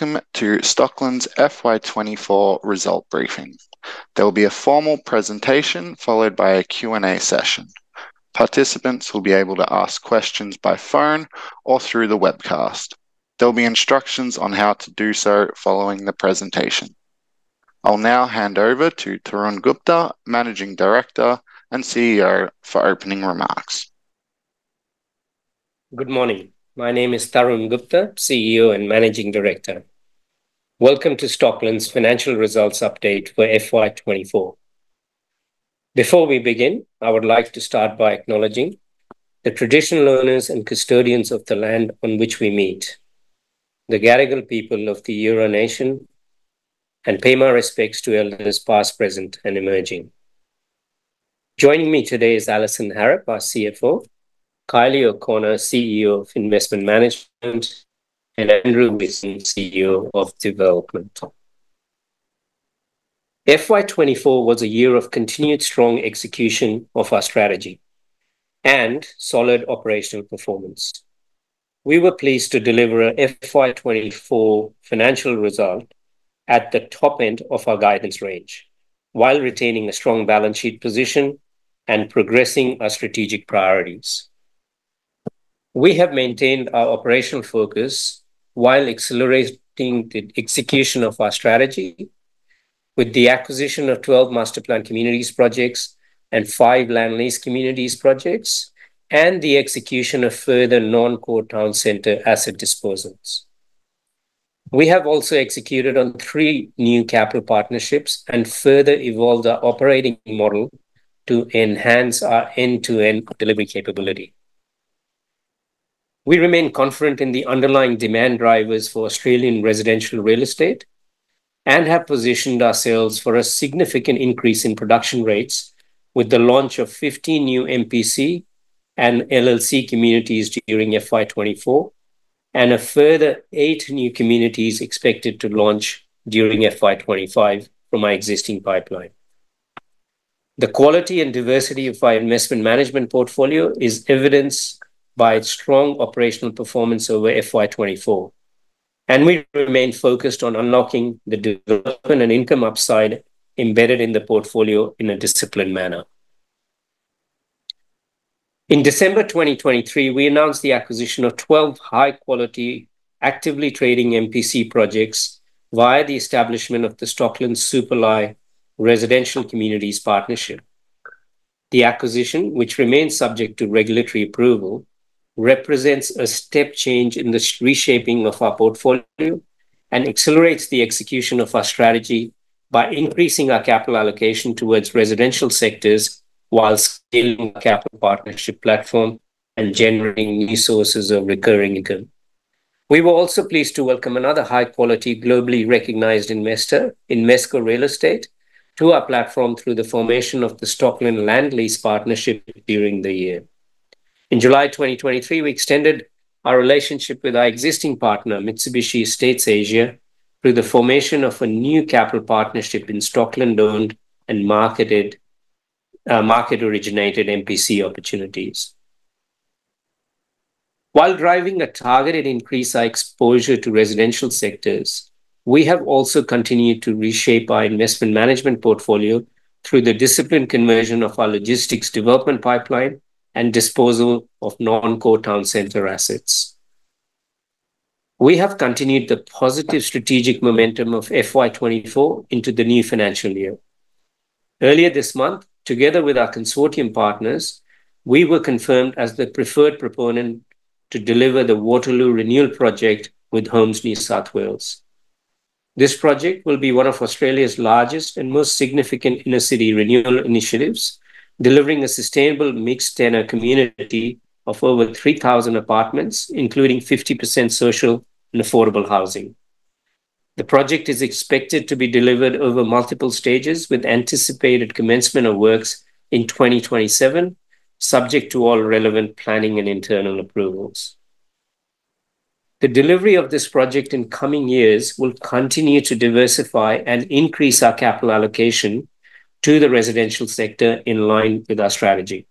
...Welcome to Stockland's FY 2024 Result Briefing. There will be a formal presentation, followed by a Q&A session. Participants will be able to ask questions by phone or through the webcast. There'll be instructions on how to do so following the presentation. I'll now hand over to Tarun Gupta, Managing Director and CEO, for opening remarks. Good morning. My name is Tarun Gupta, CEO and Managing Director. Welcome to Stockland's Financial Results Update for FY 2024. Before we begin, I would like to start by acknowledging the traditional owners and custodians of the land on which we meet, the Gadigal people of the Eora Nation, and pay my respects to elders, past, present, and emerging. Joining me today is Alison Harrop, our CFO, Kylie O'Connor, CEO of Investment Management, and Andrew Whitson, CEO of Development. FY 2024 was a year of continued strong execution of our strategy and solid operational performance. We were pleased to deliver a FY 2024 financial result at the top end of our guidance range, while retaining a strong balance sheet position and progressing our strategic priorities. We have maintained our operational focus while accelerating the execution of our strategy with the acquisition of 12 master planned communities projects and five land lease communities projects, and the execution of further non-core town center asset disposals. We have also executed on three new capital partnerships and further evolved our operating model to enhance our end-to-end delivery capability. We remain confident in the underlying demand drivers for Australian residential real estate and have positioned ourselves for a significant increase in production rates with the launch of 15 new MPC and LLC communities during FY 2024, and a further eight new communities expected to launch during FY 2025 from our existing pipeline. The quality and diversity of our investment management portfolio is evidenced by its strong operational performance over FY 2024, and we remain focused on unlocking the development and income upside embedded in the portfolio in a disciplined manner. In December 2023, we announced the acquisition of 12 high-quality, actively trading MPC projects via the establishment of the Stockland Supalai Residential Communities Partnership. The acquisition, which remains subject to regulatory approval, represents a step change in the reshaping of our portfolio and accelerates the execution of our strategy by increasing our capital allocation towards residential sectors, while scaling capital partnership platform and generating new sources of recurring income. We were also pleased to welcome another high-quality, globally recognized investor, Invesco Real Estate, to our platform through the formation of the Stockland Land Lease Partnership during the year. In July 2023, we extended our relationship with our existing partner, Mitsubishi Estate Asia, through the formation of a new capital partnership in Stockland-owned and marketed, market-originated MPC opportunities. While driving a targeted increase in our exposure to residential sectors, we have also continued to reshape our investment management portfolio through the disciplined conversion of our logistics development pipeline and disposal of non-core town center assets. We have continued the positive strategic momentum of FY 2024 into the new financial year. Earlier this month, together with our consortium partners, we were confirmed as the preferred proponent to deliver the Waterloo Renewal Project with Homes New South Wales. This project will be one of Australia's largest and most significant inner-city renewal initiatives, delivering a sustainable mixed tenure community of over 3,000 apartments, including 50% social and affordable housing. The project is expected to be delivered over multiple stages, with anticipated commencement of works in 2027, subject to all relevant planning and internal approvals. The delivery of this project in coming years will continue to diversify and increase our capital allocation to the residential sector in line with our strategy.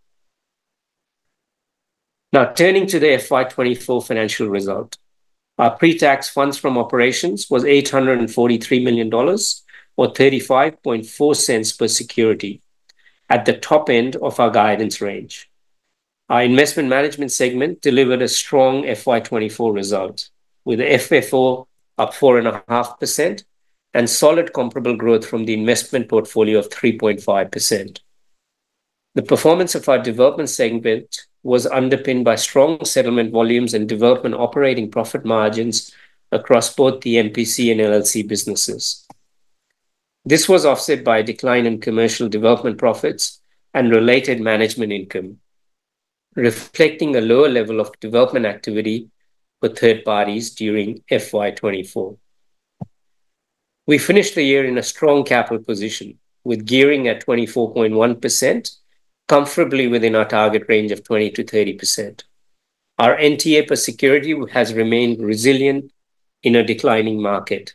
Now, turning to the FY 2024 financial result. Our pre-tax funds from operations was 843 million dollars, or 0.354 per security, at the top end of our guidance range. Our investment management segment delivered a strong FY 2024 result, with FFO up 4.5% and solid comparable growth from the investment portfolio of 3.5%. The performance of our development segment was underpinned by strong settlement volumes and development operating profit margins across both the MPC and LLC businesses. This was offset by a decline in commercial development profits and related management income, reflecting a lower level of development activity with third parties during FY 2024. We finished the year in a strong capital position, with gearing at 24.1%, comfortably within our target range of 20%-30%. Our NTA per security has remained resilient in a declining market.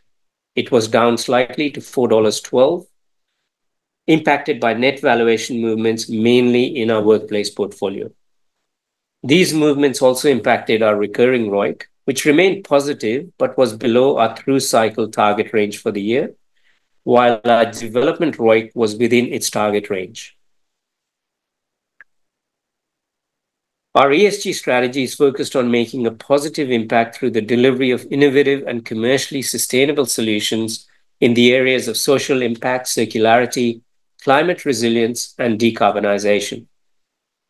It was down slightly to 4.12 dollars, impacted by net valuation movements, mainly in our workplace portfolio. These movements also impacted our recurring ROIC, which remained positive but was below our through cycle target range for the year, while our development ROIC was within its target range. Our ESG strategy is focused on making a positive impact through the delivery of innovative and commercially sustainable solutions in the areas of social impact, circularity, climate resilience, and decarbonization.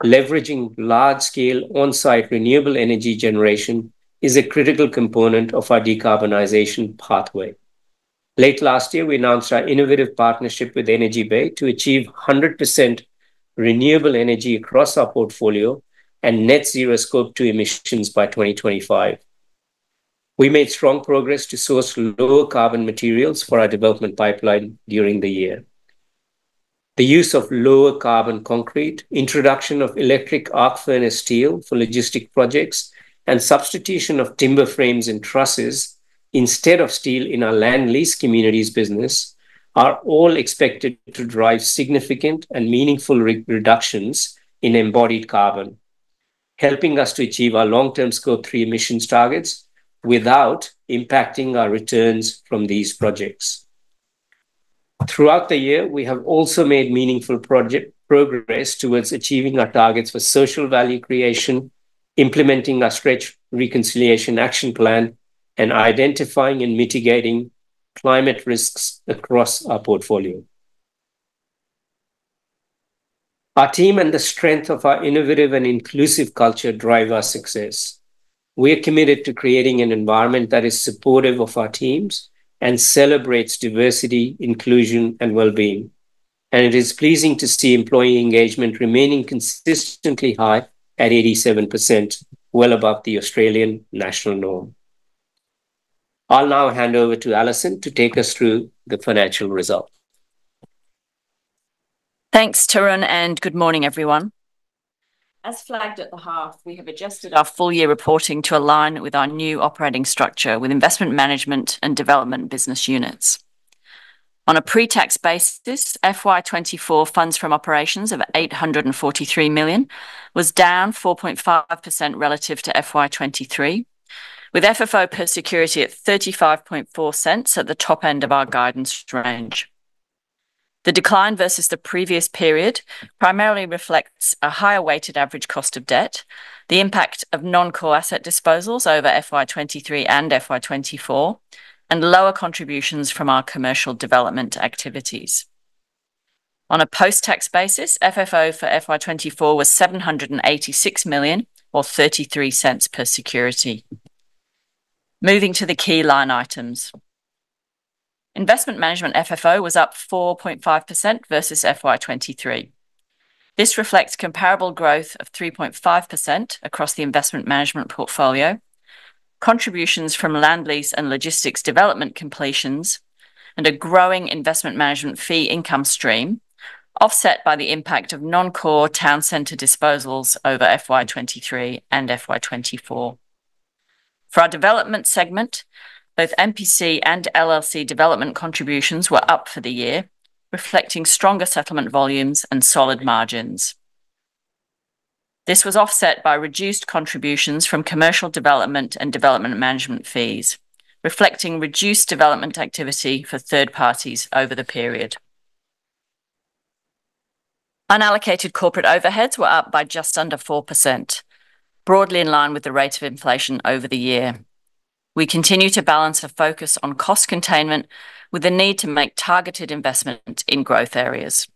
Leveraging large-scale on-site renewable energy generation is a critical component of our decarbonization pathway. Late last year, we announced our innovative partnership with Energy Bay to achieve 100% renewable energy across our portfolio and net zero Scope 2 emissions by twenty twenty-five. We made strong progress to source lower carbon materials for our development pipeline during the year. The use of lower carbon concrete, introduction of electric arc furnace steel for logistics projects, and substitution of timber frames and trusses instead of steel in our land lease communities business, are all expected to drive significant and meaningful reductions in embodied carbon, helping us to achieve our long-term Scope 3 emissions targets without impacting our returns from these projects. Throughout the year, we have also made meaningful project progress towards achieving our targets for social value creation, implementing our stretch Reconciliation Action Plan, and identifying and mitigating climate risks across our portfolio. Our team and the strength of our innovative and inclusive culture drive our success. We are committed to creating an environment that is supportive of our teams and celebrates diversity, inclusion, and well-being, and it is pleasing to see employee engagement remaining consistently high at 87%, well above the Australian national norm. I'll now hand over to Alison to take us through the financial results. Thanks, Tarun, and good morning, everyone. As flagged at the half, we have adjusted our full-year reporting to align with our new operating structure with investment management and development business units. On a pre-tax basis, FY 2024 funds from operations of 843 million was down 4.5% relative to FY 2023, with FFO per security at 0.354 at the top end of our guidance range. The decline versus the previous period primarily reflects a higher weighted average cost of debt, the impact of non-core asset disposals over FY 2023 and FY 2024, and lower contributions from our commercial development activities. On a post-tax basis, FFO for FY 2024 was 786 million or 0.33 per security. Moving to the key line items. Investment management FFO was up 4.5% versus FY 2023. This reflects comparable growth of 3.5% across the investment management portfolio, contributions from land lease and logistics development completions, and a growing investment management fee income stream, offset by the impact of non-core town center disposals over FY 2023 and FY 2024. For our development segment, both MPC and LLC development contributions were up for the year, reflecting stronger settlement volumes and solid margins. This was offset by reduced contributions from commercial development and development management fees, reflecting reduced development activity for third parties over the period. Unallocated corporate overheads were up by just under 4%, broadly in line with the rate of inflation over the year. We continue to balance a focus on cost containment with the need to make targeted investment in growth areas.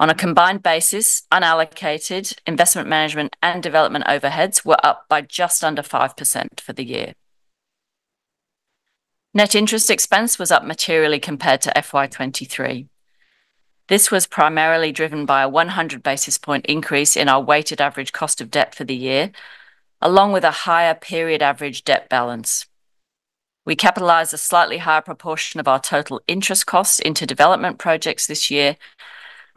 On a combined basis, unallocated investment management and development overheads were up by just under 5% for the year. Net interest expense was up materially compared to FY 2023. This was primarily driven by a 100 basis point increase in our weighted average cost of debt for the year, along with a higher period average debt balance. We capitalized a slightly higher proportion of our total interest costs into development projects this year,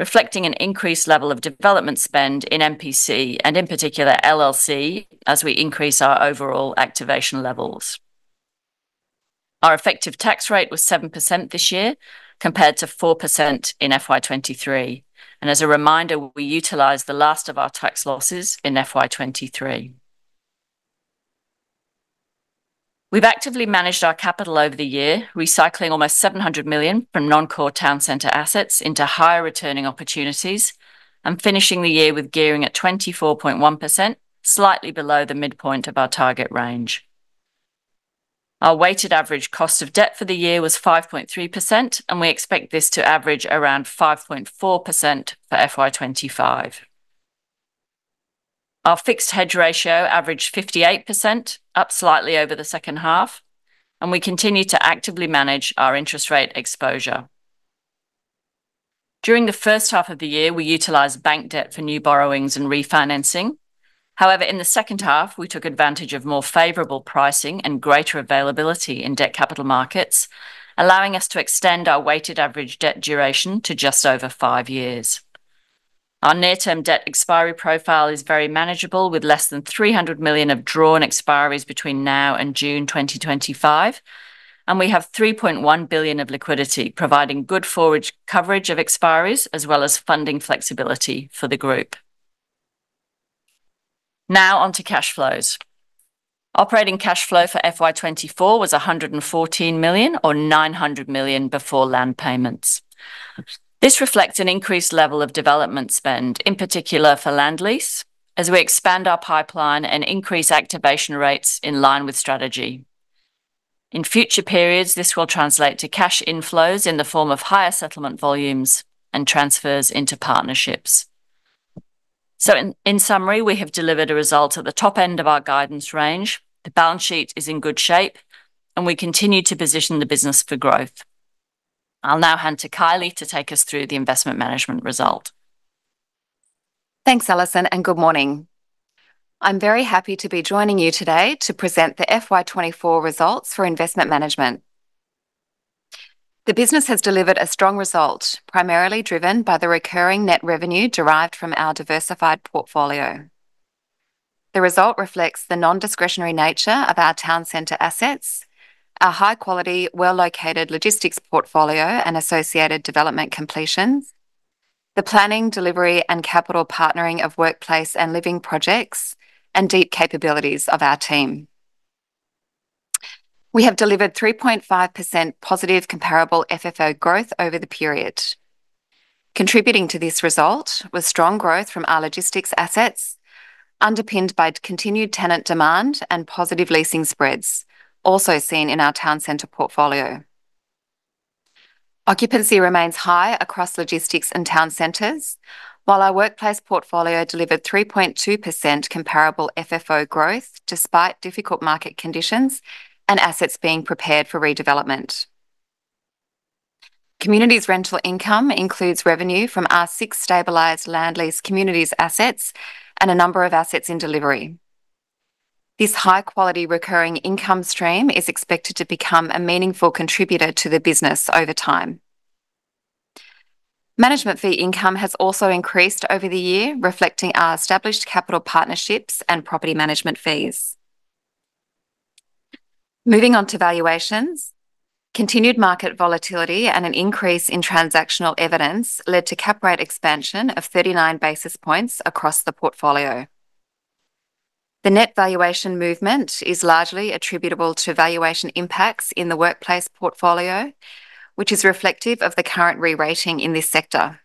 reflecting an increased level of development spend in MPC, and in particular, LLC, as we increase our overall activation levels. Our effective tax rate was 7% this year, compared to 4% in FY 2023, and as a reminder, we utilized the last of our tax losses in FY 2023. We've actively managed our capital over the year, recycling almost 700 million from non-core town center assets into higher returning opportunities and finishing the year with gearing at 24.1%, slightly below the midpoint of our target range. Our weighted average cost of debt for the year was 5.3%, and we expect this to average around 5.4% for FY 2025. Our fixed hedge ratio averaged 58%, up slightly over the second half, and we continue to actively manage our interest rate exposure. During the first half of the year, we utilized bank debt for new borrowings and refinancing. However, in the second half, we took advantage of more favorable pricing and greater availability in debt capital markets, allowing us to extend our weighted average debt duration to just over five years. Our near-term debt expiry profile is very manageable, with less than 300 million of drawn expiries between now and June 2025, and we have 3.1 billion of liquidity, providing good forward coverage of expiries as well as funding flexibility for the group. Now on to cash flows. Operating cash flow for FY 2024 was 114 million, or 900 million before land payments. This reflects an increased level of development spend, in particular for land lease, as we expand our pipeline and increase activation rates in line with strategy. In future periods, this will translate to cash inflows in the form of higher settlement volumes and transfers into partnerships. So in summary, we have delivered a result at the top end of our guidance range. The balance sheet is in good shape, and we continue to position the business for growth. I'll now hand to Kylie to take us through the investment management result. Thanks, Alison, and good morning. I'm very happy to be joining you today to present the FY twenty-four results for investment management. The business has delivered a strong result, primarily driven by the recurring net revenue derived from our diversified portfolio. The result reflects the non-discretionary nature of our town center assets, our high-quality, well-located logistics portfolio and associated development completions, the planning, delivery, and capital partnering of workplace and living projects, and deep capabilities of our team. We have delivered 3.5% positive comparable FFO growth over the period. Contributing to this result was strong growth from our logistics assets, underpinned by continued tenant demand and positive leasing spreads, also seen in our town center portfolio. Occupancy remains high across logistics and town centers, while our workplace portfolio delivered 3.2% comparable FFO growth, despite difficult market conditions and assets being prepared for redevelopment. Communities rental income includes revenue from our six stabilized land lease communities assets and a number of assets in delivery. This high-quality recurring income stream is expected to become a meaningful contributor to the business over time. Management fee income has also increased over the year, reflecting our established capital partnerships and property management fees. Moving on to valuations, continued market volatility and an increase in transactional evidence led to cap rate expansion of 39 basis points across the portfolio. The net valuation movement is largely attributable to valuation impacts in the workplace portfolio, which is reflective of the current re-rating in this sector.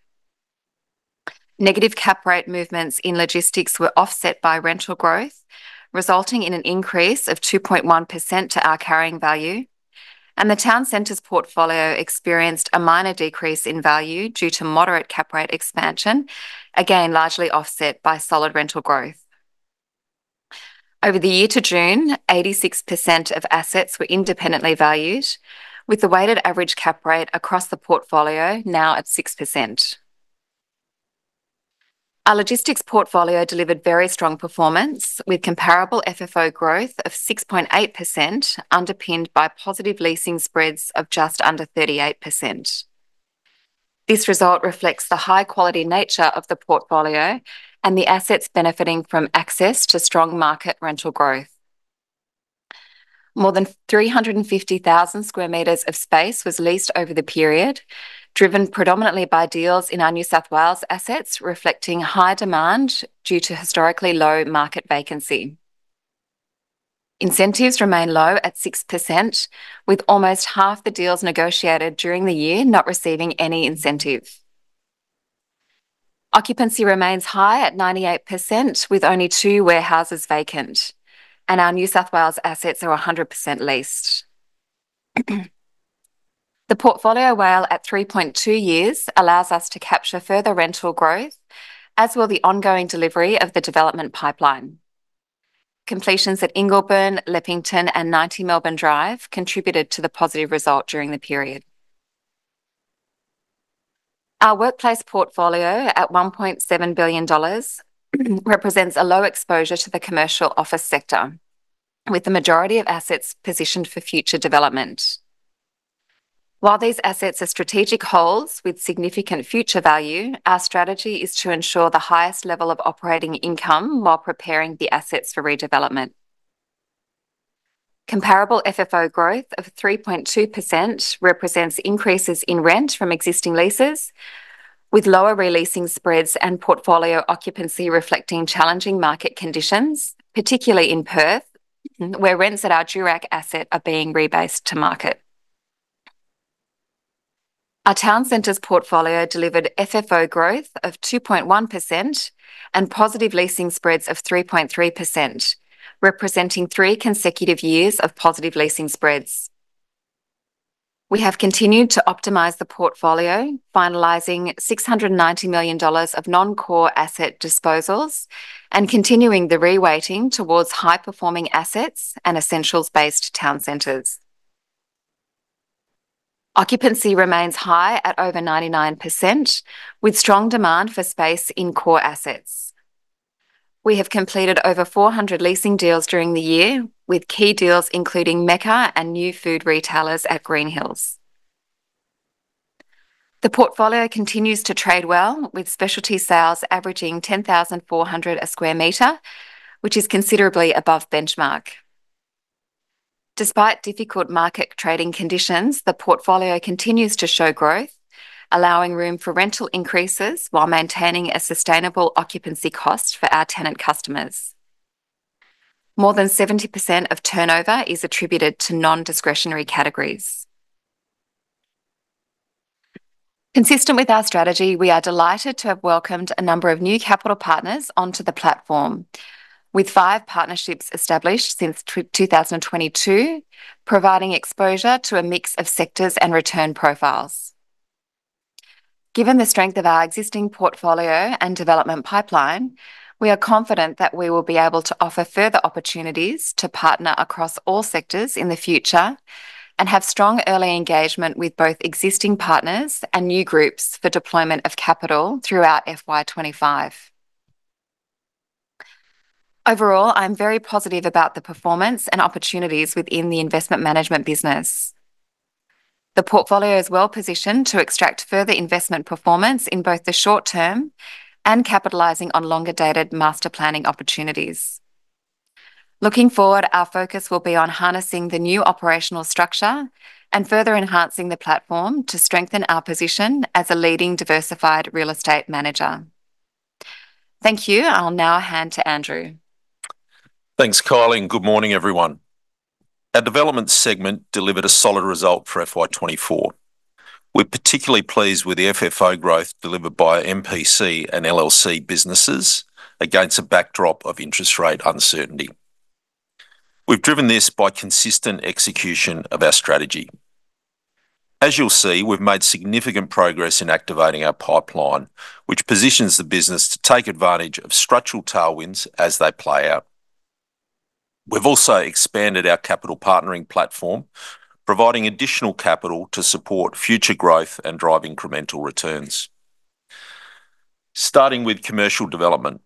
Negative cap rate movements in logistics were offset by rental growth, resulting in an increase of 2.1% to our carrying value, and the town centers portfolio experienced a minor decrease in value due to moderate cap rate expansion, again, largely offset by solid rental growth. Over the year to June, 86% of assets were independently valued, with the weighted average cap rate across the portfolio now at 6%. Our logistics portfolio delivered very strong performance, with comparable FFO growth of 6.8%, underpinned by positive leasing spreads of just under 38%. This result reflects the high-quality nature of the portfolio and the assets benefiting from access to strong market rental growth. More than three hundred and fifty thousand square meters of space was leased over the period, driven predominantly by deals in our New South Wales assets, reflecting high demand due to historically low market vacancy. Incentives remain low at 6%, with almost half the deals negotiated during the year not receiving any incentive. Occupancy remains high at 98%, with only two warehouses vacant, and our New South Wales assets are 100% leased. The portfolio WALE at 3.2 years allows us to capture further rental growth, as will the ongoing delivery of the development pipeline. Completions at Ingleburn, Leppington, and 90 Melbourne Drive contributed to the positive result during the period. Our workplace portfolio, at 1.7 billion dollars, represents a low exposure to the commercial office sector, with the majority of assets positioned for future development. While these assets are strategic holds with significant future value, our strategy is to ensure the highest level of operating income while preparing the assets for redevelopment. Comparable FFO growth of 3.2% represents increases in rent from existing leases, with lower re-leasing spreads and portfolio occupancy reflecting challenging market conditions, particularly in Perth, where rents at our Durack asset are being rebased to market. Our town centers portfolio delivered FFO growth of 2.1% and positive leasing spreads of 3.3%, representing three consecutive years of positive leasing spreads. We have continued to optimize the portfolio, finalizing 690 million dollars of non-core asset disposals and continuing the reweighting towards high-performing assets and essentials-based town centers. Occupancy remains high at over 99%, with strong demand for space in core assets… We have completed over 400 leasing deals during the year, with key deals including Mecca and new food retailers at Green Hills. The portfolio continues to trade well, with specialty sales averaging 10,400 sq m, which is considerably above benchmark. Despite difficult market trading conditions, the portfolio continues to show growth, allowing room for rental increases while maintaining a sustainable occupancy cost for our tenant customers. More than 70% of turnover is attributed to non-discretionary categories. Consistent with our strategy, we are delighted to have welcomed a number of new capital partners onto the platform, with 5 partnerships established since 2022, providing exposure to a mix of sectors and return profiles. Given the strength of our existing portfolio and development pipeline, we are confident that we will be able to offer further opportunities to partner across all sectors in the future and have strong early engagement with both existing partners and new groups for deployment of capital throughout FY 2025. Overall, I'm very positive about the performance and opportunities within the investment management business. The portfolio is well-positioned to extract further investment performance in both the short term and capitalizing on longer-dated master planning opportunities. Looking forward, our focus will be on harnessing the new operational structure and further enhancing the platform to strengthen our position as a leading diversified real estate manager. Thank you. I'll now hand to Andrew. Thanks, Kylie, and good morning, everyone. Our development segment delivered a solid result for FY 2024. We're particularly pleased with the FFO growth delivered by MPC and LLC businesses against a backdrop of interest rate uncertainty. We've driven this by consistent execution of our strategy. As you'll see, we've made significant progress in activating our pipeline, which positions the business to take advantage of structural tailwinds as they play out. We've also expanded our capital partnering platform, providing additional capital to support future growth and drive incremental returns. Starting with commercial development,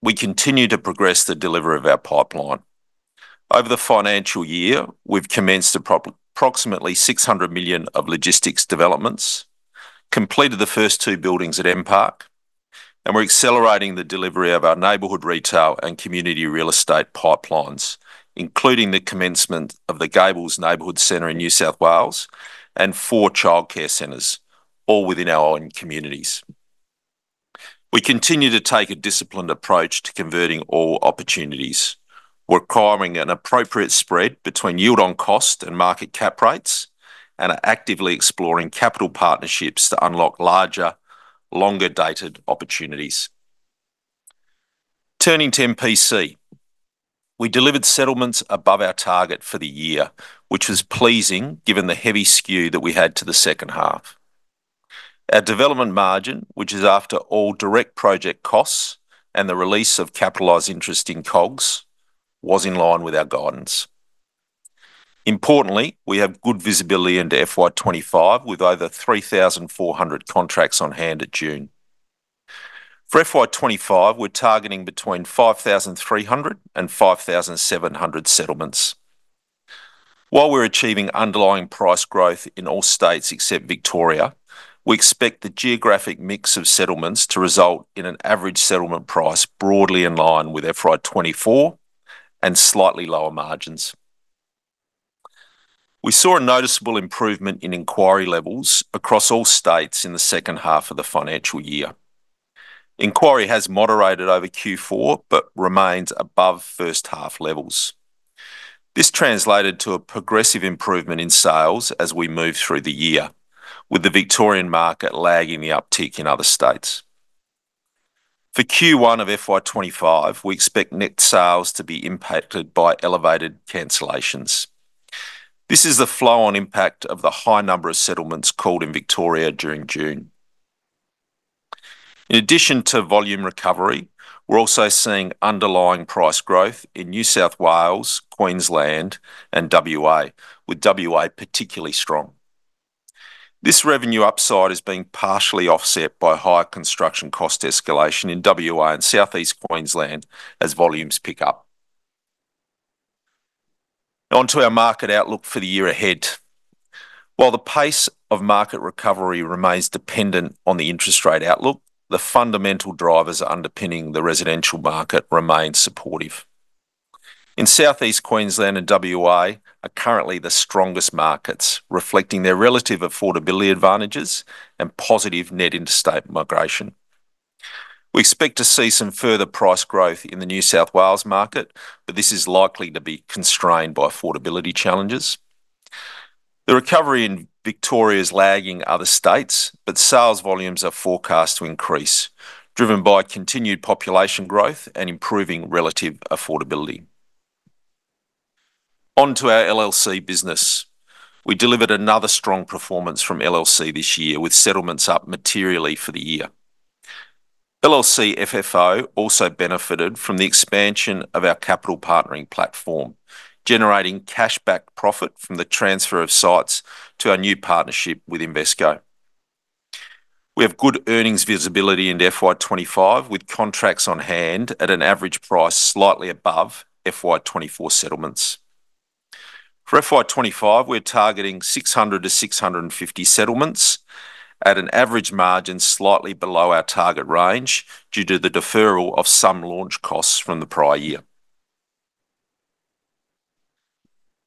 we continue to progress the delivery of our pipeline. Over the financial year, we've commenced approximately 600 million of logistics developments, completed the first two buildings at M Park, and we're accelerating the delivery of our neighborhood retail and community real estate pipelines, including the commencement of the Gables Neighbourhood Centre in New South Wales and four childcare centers, all within our own communities. We continue to take a disciplined approach to converting all opportunities, requiring an appropriate spread between yield on cost and market cap rates, and are actively exploring capital partnerships to unlock larger, longer-dated opportunities. Turning to MPC, we delivered settlements above our target for the year, which was pleasing given the heavy skew that we had to the second half. Our development margin, which is after all direct project costs and the release of capitalized interest in COGS, was in line with our guidance. Importantly, we have good visibility into FY 2025, with over 3,400 contracts on hand at June. For FY 2025, we're targeting between 5,300 and 5,700 settlements. While we're achieving underlying price growth in all states except Victoria, we expect the geographic mix of settlements to result in an average settlement price broadly in line with FY 2024 and slightly lower margins. We saw a noticeable improvement in inquiry levels across all states in the second half of the financial year. Inquiry has moderated over Q4 but remains above first-half levels. This translated to a progressive improvement in sales as we moved through the year, with the Victorian market lagging the uptick in other states. For Q1 of FY 2025, we expect net sales to be impacted by elevated cancellations. This is the flow-on impact of the high number of settlements called in Victoria during June. In addition to volume recovery, we're also seeing underlying price growth in New South Wales, Queensland, and WA, with WA particularly strong. This revenue upside is being partially offset by higher construction cost escalation in WA and South East Queensland as volumes pick up. Onto our market outlook for the year ahead. While the pace of market recovery remains dependent on the interest rate outlook, the fundamental drivers underpinning the residential market remain supportive, and South East Queensland and WA are currently the strongest markets, reflecting their relative affordability advantages and positive net interstate migration. We expect to see some further price growth in the New South Wales market, but this is likely to be constrained by affordability challenges. The recovery in Victoria is lagging other states, but sales volumes are forecast to increase, driven by continued population growth and improving relative affordability. Onto our LLC business. We delivered another strong performance from LLC this year, with settlements up materially for the year. LLC FFO also benefited from the expansion of our capital partnering platform, generating cash-back profit from the transfer of sites to our new partnership with Invesco. We have good earnings visibility into FY 2025, with contracts on hand at an average price slightly above FY 2024 settlements. For FY 2025, we're targeting 600-650 settlements at an average margin slightly below our target range, due to the deferral of some launch costs from the prior year.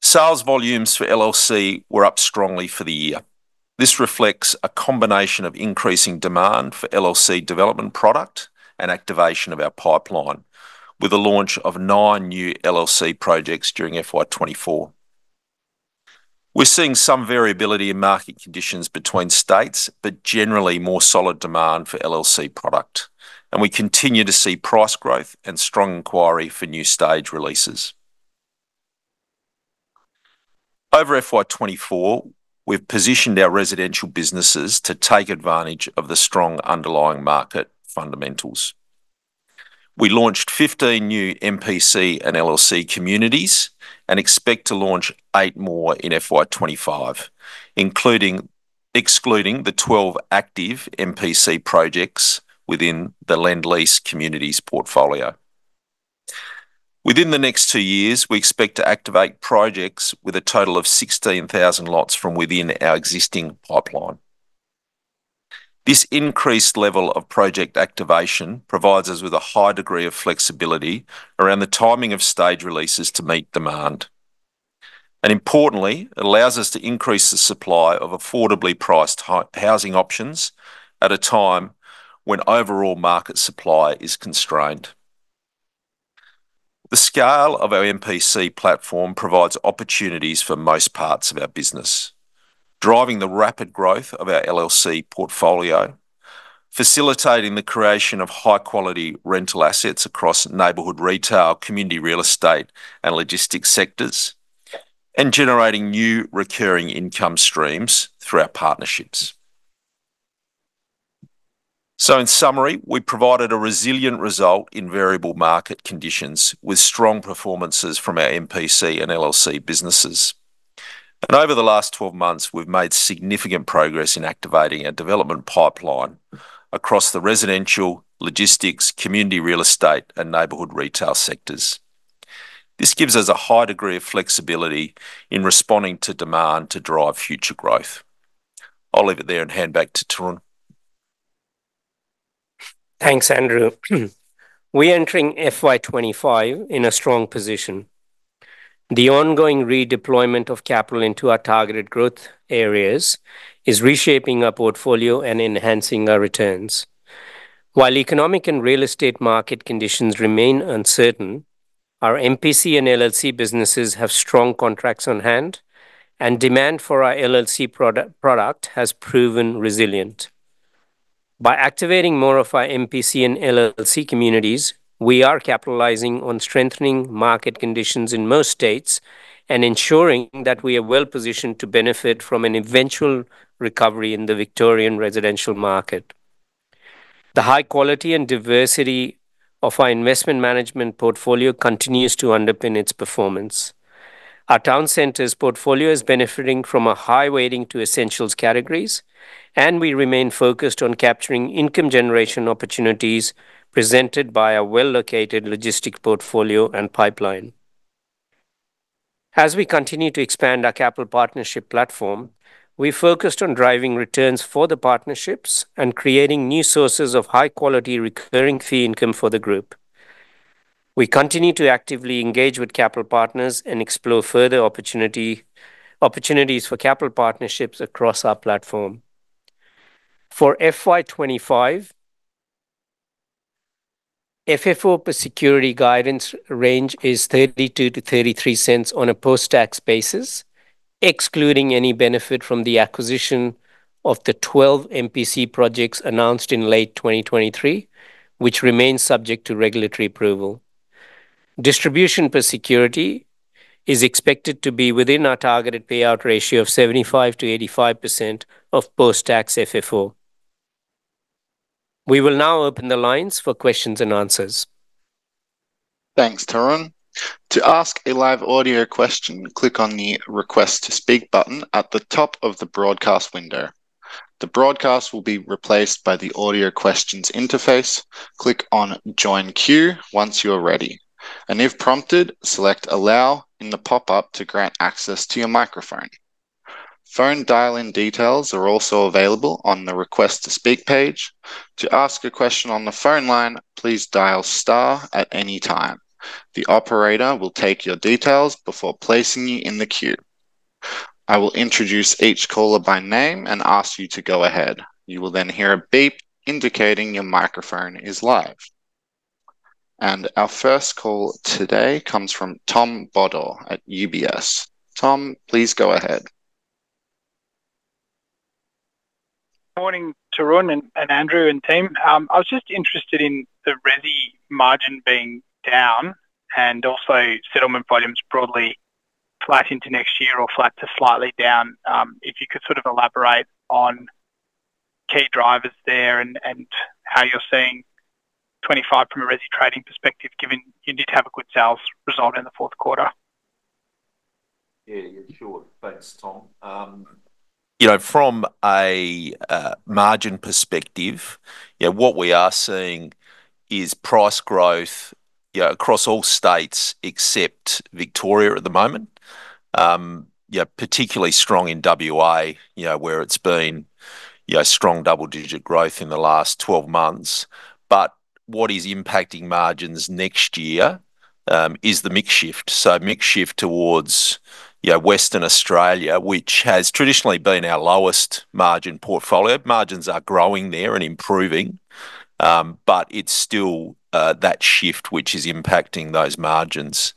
Sales volumes for LLC were up strongly for the year. This reflects a combination of increasing demand for LLC development product and activation of our pipeline, with the launch of nine new LLC projects during FY 2024. We're seeing some variability in market conditions between states, but generally more solid demand for LLC product, and we continue to see price growth and strong inquiry for new stage releases. Over FY 2024, we've positioned our residential businesses to take advantage of the strong underlying market fundamentals. We launched 15 new MPC and LLC communities and expect to launch eight more in FY 2025, including, excluding the 12 active MPC projects within the Lendlease communities portfolio. Within the next two years, we expect to activate projects with a total of 16,000 lots from within our existing pipeline. This increased level of project activation provides us with a high degree of flexibility around the timing of stage releases to meet demand, and importantly, it allows us to increase the supply of affordably priced housing options at a time when overall market supply is constrained. The scale of our MPC platform provides opportunities for most parts of our business, driving the rapid growth of our LLC portfolio, facilitating the creation of high-quality rental assets across neighborhood retail, community real estate, and logistics sectors, and generating new recurring income streams through our partnerships. So in summary, we provided a resilient result in variable market conditions, with strong performances from our MPC and LLC businesses. And over the last 12 months, we've made significant progress in activating our development pipeline across the residential, logistics, community real estate, and neighborhood retail sectors. This gives us a high degree of flexibility in responding to demand to drive future growth. I'll leave it there and hand back to Tarun. Thanks, Andrew. We're entering FY 2025 in a strong position. The ongoing redeployment of capital into our targeted growth areas is reshaping our portfolio and enhancing our returns. While economic and real estate market conditions remain uncertain, our MPC and LLC businesses have strong contracts on hand, and demand for our LLC product has proven resilient. By activating more of our MPC and LLC communities, we are capitalizing on strengthening market conditions in most states and ensuring that we are well positioned to benefit from an eventual recovery in the Victorian residential market. The high quality and diversity of our investment management portfolio continues to underpin its performance. Our town centers portfolio is benefiting from a high weighting to essentials categories, and we remain focused on capturing income generation opportunities presented by our well-located logistics portfolio and pipeline. As we continue to expand our capital partnership platform, we focused on driving returns for the partnerships and creating new sources of high-quality, recurring fee income for the group. We continue to actively engage with capital partners and explore further opportunities for capital partnerships across our platform. For FY 2025, FFO per security guidance range is 0.32-0.33 on a post-tax basis, excluding any benefit from the acquisition of the 12 MPC projects announced in late 2023, which remains subject to regulatory approval. Distribution per security is expected to be within our targeted payout ratio of 75%-85% of post-tax FFO. We will now open the lines for Q&A. Thanks, Tarun. To ask a live audio question, click on the Request to Speak button at the top of the broadcast window. The broadcast will be replaced by the Audio Questions interface. Click on Join Queue once you are ready, and if prompted, select Allow in the pop-up to grant access to your microphone. Phone dial-in details are also available on the Request to Speak page. To ask a question on the phone line, please dial star at any time. The operator will take your details before placing you in the queue. I will introduce each caller by name and ask you to go ahead. You will then hear a beep indicating your microphone is live. And our first call today comes from Tom Beadle at UBS. Tom, please go ahead. Morning, Tarun and Andrew and team. I was just interested in the resi margin being down and also settlement volumes broadly flat into next year or flat to slightly down. If you could sort of elaborate on key drivers there and how you're seeing twenty-five from a resi trading perspective, given you did have a good sales result in the Q4?... Yeah, yeah, sure. Thanks, Tom. You know, from a margin perspective, yeah, what we are seeing is price growth, yeah, across all states except Victoria at the moment. Yeah, particularly strong in WA, you know, where it's been, you know, strong double-digit growth in the last 12 months. But what is impacting margins next year is the mix shift. So mix shift towards, you know, Western Australia, which has traditionally been our lowest margin portfolio. Margins are growing there and improving, but it's still that shift which is impacting those margins.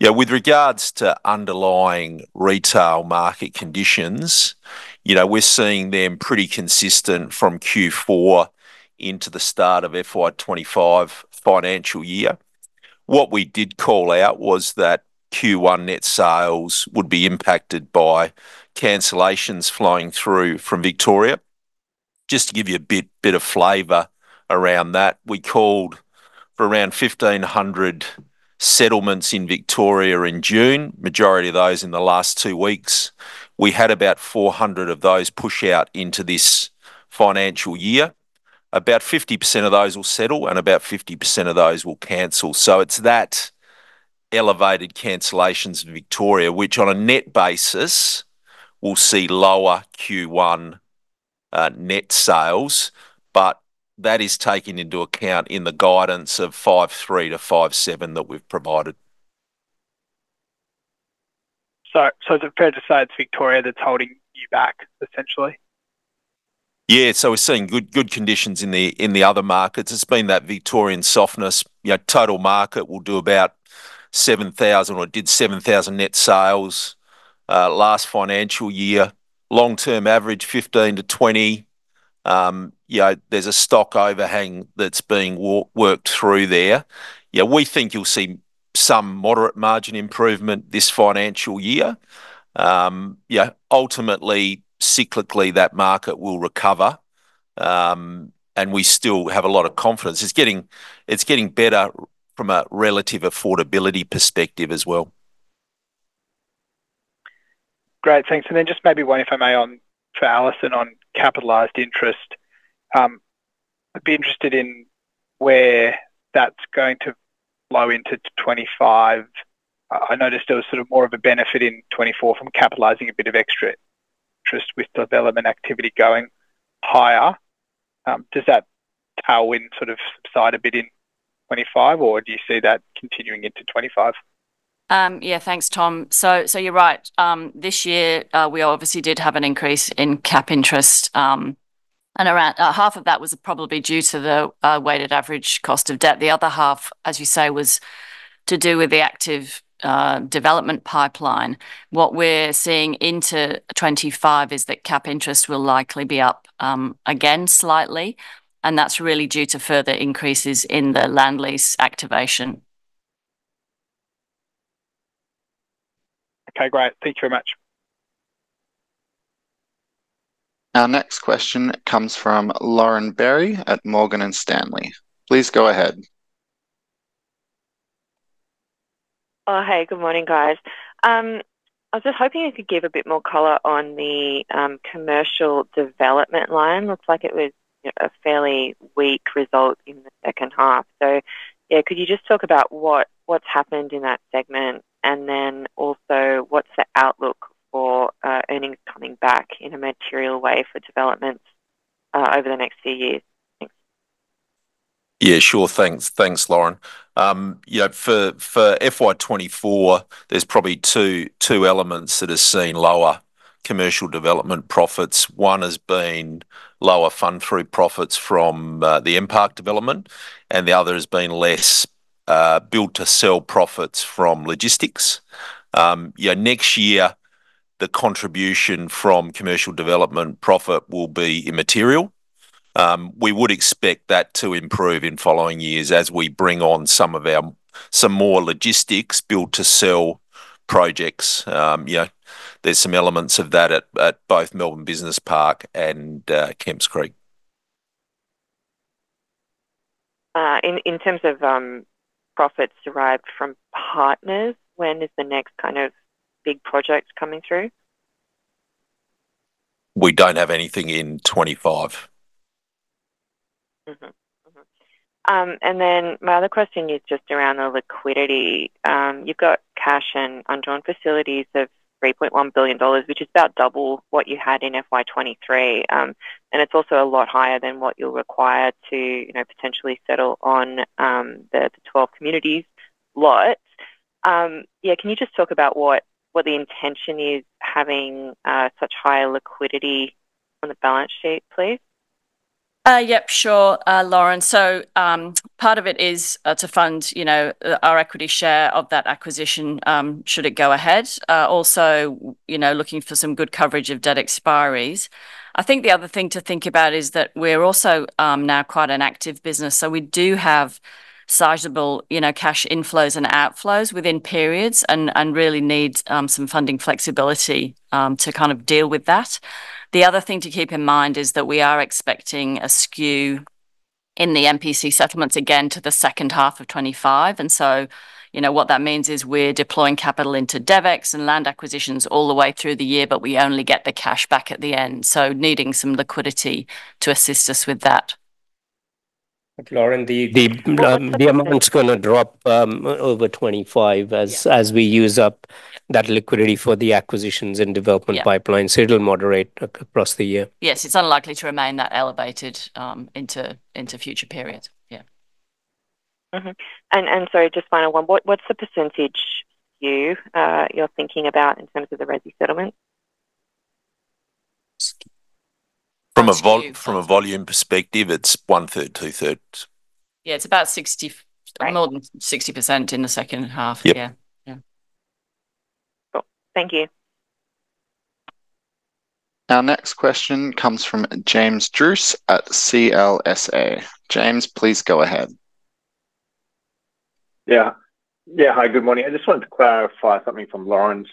Yeah, with regards to underlying retail market conditions, you know, we're seeing them pretty consistent from Q4 into the start of FY 2025 financial year. What we did call out was that Q1 net sales would be impacted by cancellations flowing through from Victoria. Just to give you a bit of flavor around that, we called for around fifteen hundred settlements in Victoria in June, majority of those in the last two weeks. We had about four hundred of those push out into this financial year. About 50% of those will settle, and about 50% of those will cancel. So it's that elevated cancellations in Victoria, which on a net basis, will see lower Q1 net sales, but that is taken into account in the guidance of 53-57 that we've provided. So, is it fair to say it's Victoria that's holding you back, essentially? Yeah, so we're seeing good, good conditions in the, in the other markets. It's been that Victorian softness. You know, total market will do about seven thousand, or did seven thousand net sales last financial year. Long-term average, fifteen to twenty. You know, there's a stock overhang that's being worked through there. Yeah, we think you'll see some moderate margin improvement this financial year. Yeah, ultimately, cyclically, that market will recover, and we still have a lot of confidence. It's getting, it's getting better from a relative affordability perspective as well. Great, thanks. And then just maybe one, if I may, on for Alison on capitalized interest. I'd be interested in where that's going to flow into twenty-five. I noticed there was sort of more of a benefit in twenty-four from capitalizing a bit of extra interest with development activity going higher. Does that tailwind sort of subside a bit in 2025, or do you see that continuing into 2025? Yeah, thanks, Tom. So you're right. This year we obviously did have an increase in cap interest, and around half of that was probably due to the weighted average cost of debt. The other half, as you say, was to do with the active development pipeline. What we're seeing into 2025 is that cap interest will likely be up again slightly, and that's really due to further increases in the land lease activation. Okay, great. Thank you very much. Our next question comes from Lauren Berry at Morgan Stanley. Please go ahead. Oh, hey, good morning, guys. I was just hoping you could give a bit more color on the commercial development line. Looks like it was, you know, a fairly weak result in the second half. So, yeah, could you just talk about what's happened in that segment? And then also, what's the outlook for earnings coming back in a material way for development over the next few years? Thanks. Yeah, sure. Thanks. Thanks, Lauren. You know, for FY twenty-four, there's probably two elements that have seen lower commercial development profits. One has been lower fund-through profits from the M Park development, and the other has been less build-to-sell profits from logistics. You know, next year, the contribution from commercial development profit will be immaterial. We would expect that to improve in following years as we bring on some of our some more logistics build-to-sell projects. You know, there's some elements of that at both Melbourne Business Park and Kemps Creek. In terms of profits derived from partners, when is the next kind of big project coming through? We don't have anything in 2025. And then my other question is just around the liquidity. You've got cash and undrawn facilities of 3.1 billion dollars, which is about double what you had in FY 2023. And it's also a lot higher than what you're required to, you know, potentially settle on the twelve communities lot. Can you just talk about what the intention is, having such high liquidity on the balance sheet, please? Yep, sure, Lauren. So, part of it is to fund, you know, our equity share of that acquisition, should it go ahead. Also, you know, looking for some good coverage of debt expiries. I think the other thing to think about is that we're also now quite an active business, so we do have sizable, you know, cash inflows and outflows within periods and really need some funding flexibility to kind of deal with that. The other thing to keep in mind is that we are expecting a skew in the MPC settlements again to the second half of 2025. And so, you know, what that means is we're deploying capital into DevEx and land acquisitions all the way through the year, but we only get the cash back at the end, so needing some liquidity to assist us with that. Lauren, the amount's gonna drop over 2025 as- Yeah... as we use up that liquidity for the acquisitions and development- Yeah pipeline, so it'll moderate across the year. Yes, it's unlikely to remain that elevated into future periods. Yeah. Mm-hmm. And, and so just final one, what's the percentage you're thinking about in terms of the resi settlement? From a volume perspective, it's one third, two thirds. Yeah, it's about 60%... more than 60% in the second half. Yeah. Yeah. Yeah. Cool. Thank you. Our next question comes from James Druce at CLSA. James, please go ahead. Yeah. Yeah, hi, good morning. I just wanted to clarify something from Lauren's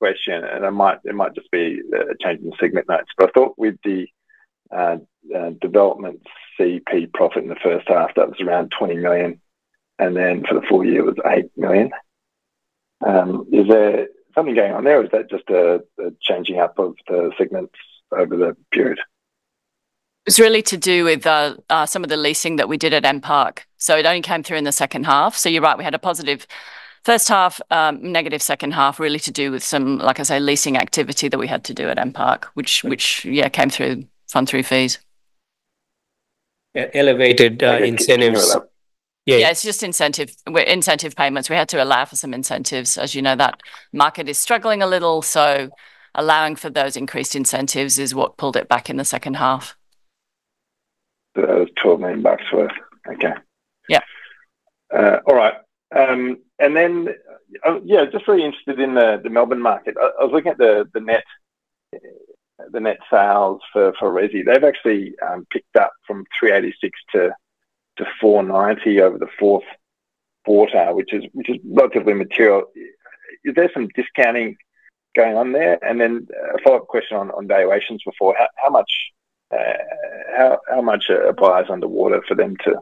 question, and it might just be a change in the segment notes. But I thought with the development CP profit in the first half, that was around 20 million, and then for the full year it was eight million. Is there something going on there, or is that just a changing up of the segments over the period? It's really to do with some of the leasing that we did at M Park, so it only came through in the second half. So you're right, we had a positive first half, negative second half, really to do with some, like I say, leasing activity that we had to do at M Park, which, yeah, came through, fund-through fees. Yeah, elevated incentives. Yeah, it's just incentive payments. We had to allow for some incentives. As you know, that market is struggling a little, so allowing for those increased incentives is what pulled it back in the second half. That was 12 million bucks worth. Okay. Yeah. All right. And then, yeah, just really interested in the Melbourne market. I was looking at the net sales for resi. They've actually picked up from 386 to 490 over the Q4, which is relatively material. Is there some discounting going on there? And then a follow-up question on valuations before, how much applies underwater for them to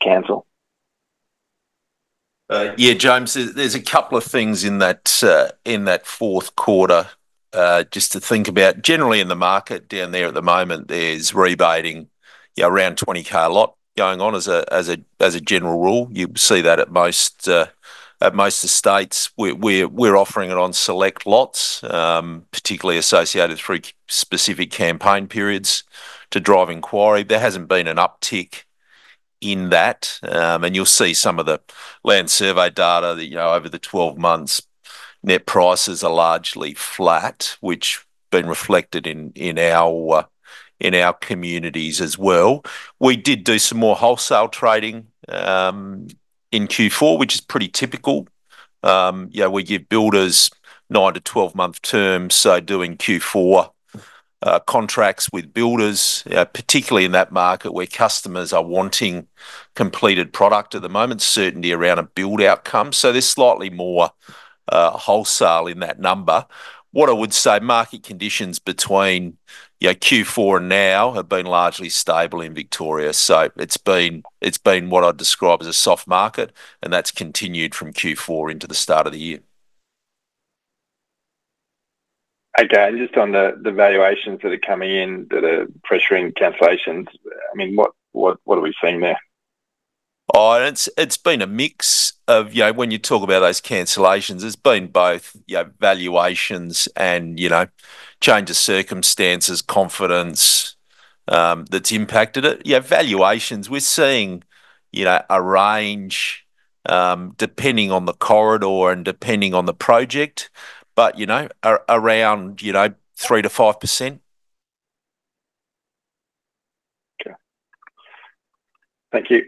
cancel? Yeah, James, there's a couple of things in that Q4 just to think about. Generally, in the market down there at the moment, there's rebating, yeah, around 20k a lot going on as a general rule. You see that at most estates. We're offering it on select lots, particularly associated through specific campaign periods to drive inquiry. There hasn't been an uptick in that, and you'll see some of the land survey data that, you know, over the 12 months, net prices are largely flat, which been reflected in our communities as well. We did do some more wholesale trading in Q4, which is pretty typical. Yeah, we give builders nine- to 12-month terms, so doing Q4 contracts with builders, particularly in that market where customers are wanting completed product at the moment, certainty around a build outcome. So there's slightly more wholesale in that number. What I would say, market conditions between, you know, Q4 and now have been largely stable in Victoria, so it's been what I'd describe as a soft market, and that's continued from Q4 into the start of the year. Okay, and just on the valuations that are coming in that are pressuring cancellations, I mean, what are we seeing there? Oh, it's been a mix of... You know, when you talk about those cancellations, it's been both, you know, valuations and, you know, change of circumstances, confidence, that's impacted it. Yeah, valuations, we're seeing, you know, a range, depending on the corridor and depending on the project, but, you know, around, you know, 3%-5%. Okay. Thank you.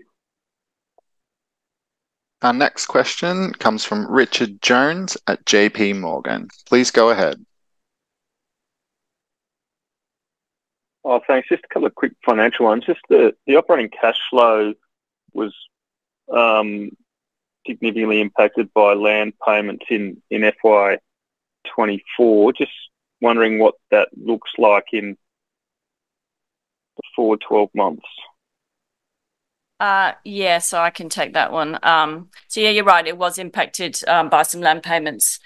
Our next question comes from Richard Jones at JP Morgan. Please go ahead. Oh, thanks. Just a couple of quick financial ones. Just the operating cash flow was significantly impacted by land payments in FY 2024. Just wondering what that looks like in the forward 12 months. Yeah, so I can take that one. So yeah, you're right, it was impacted by some land payments.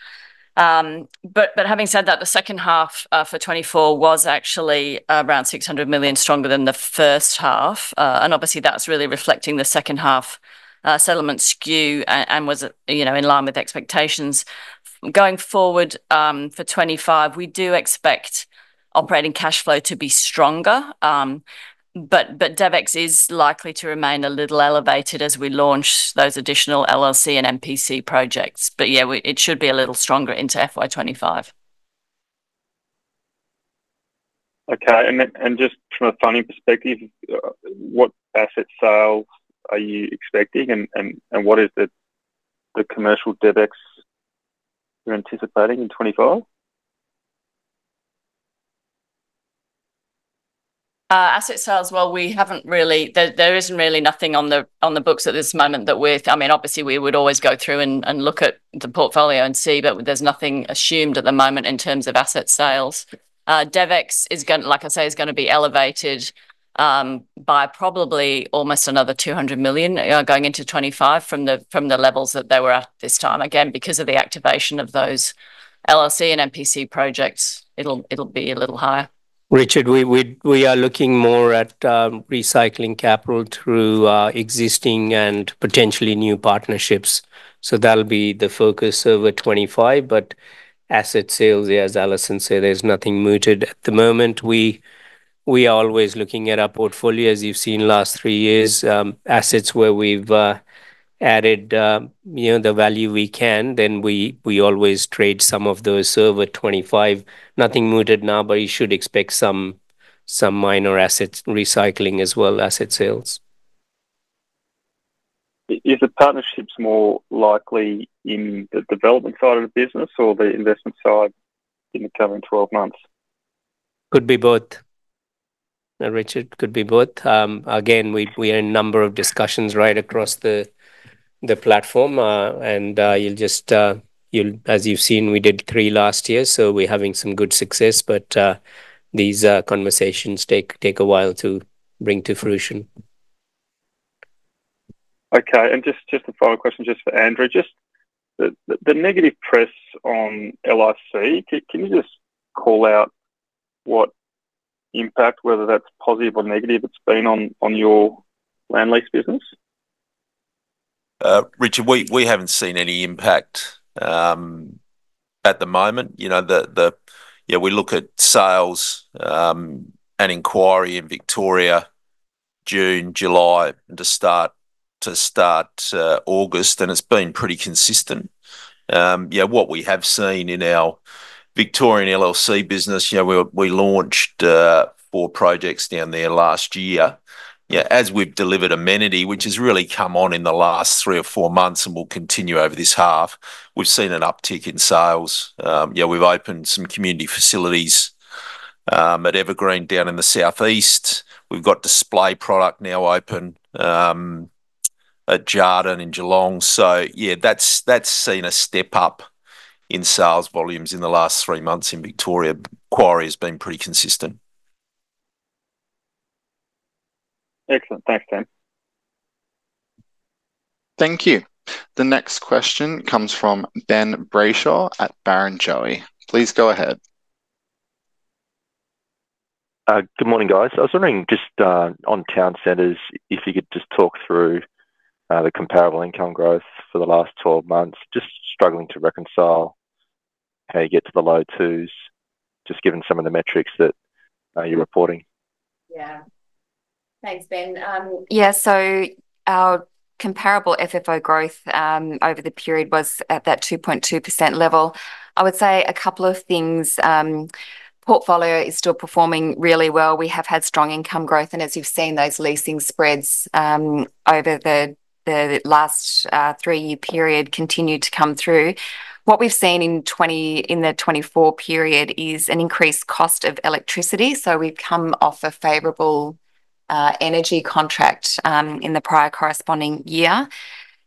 But having said that, the second half for 2024 was actually around 600 million stronger than the first half. And obviously, that's really reflecting the second half settlement skew, and was, you know, in line with expectations. Going forward, for 2025, we do expect operating cash flow to be stronger, but DevEx is likely to remain a little elevated as we launch those additional LLC and MPC projects. But yeah, it should be a little stronger into FY 2025. Okay, and then just from a funding perspective, what asset sales are you expecting, and what is the commercial DevEx you're anticipating in 2025?... asset sales, well, we haven't really there isn't really nothing on the books at this moment that we're. I mean, obviously, we would always go through and look at the portfolio and see, but there's nothing assumed at the moment in terms of asset sales. DevEx, like I say, is gonna be elevated by probably almost another 200 million going into 2025 from the levels that they were at this time. Again, because of the activation of those LLC and MPC projects, it'll be a little higher. Richard, we are looking more at recycling capital through existing and potentially new partnerships. So that'll be the focus over 2025, but asset sales, as Alison said, there's nothing mooted at the moment. We are always looking at our portfolio, as you've seen last three years, assets where we've added you know the value we can, then we always trade some of those over 2025. Nothing mooted now, but you should expect some minor asset recycling as well, asset sales. Is the partnerships more likely in the development side of the business or the investment side in the coming twelve months? Could be both, Richard. Could be both. Again, we are in a number of discussions right across the platform, and as you've seen, we did three last year, so we're having some good success, but these conversations take a while to bring to fruition. Okay, and just a follow-up question just for Andrew. Just the negative press on LLC, can you just call out what impact, whether that's positive or negative, it's been on your land lease business? Richard, we haven't seen any impact at the moment. You know, Yeah, we look at sales and inquiry in Victoria, June, July, to start August, and it's been pretty consistent. Yeah, what we have seen in our Victorian LLC business, you know, we launched four projects down there last year. You know, as we've delivered amenity, which has really come on in the last three or four months and will continue over this half, we've seen an uptick in sales. Yeah, we've opened some community facilities at Evergreen down in the southeast. We've got display product now open at Jardin in Geelong. So yeah, that's seen a step up in sales volumes in the last three months in Victoria. Inquiry has been pretty consistent. Excellent. Thanks, Dan. Thank you. The next question comes from Ben Brayshaw at Barrenjoey. Please go ahead. Good morning, guys. I was wondering, just, on town centers, if you could just talk through, the comparable income growth for the last twelve months. Just struggling to reconcile how you get to the low twos, just given some of the metrics that, you're reporting. Yeah. Thanks, Ben. Yeah, so our comparable FFO growth over the period was at that 2.2% level. I would say a couple of things. Portfolio is still performing really well. We have had strong income growth, and as you've seen, those leasing spreads over the last three-year period continued to come through. What we've seen in the 2024 period is an increased cost of electricity, so we've come off a favorable energy contract in the prior corresponding year.